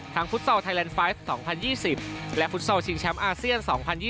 ฟุตซอลไทยแลนด์ไฟส์๒๐๒๐และฟุตซอลชิงแชมป์อาเซียน๒๐๒๐